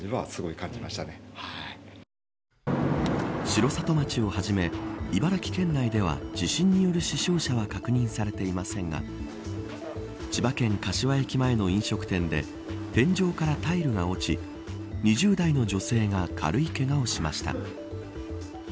城里町をはじめ茨城県内では地震による死傷者は確認されていませんが千葉県柏駅前の飲食店で天井からタイルが落ち２０代の女性が軽いけがをしました。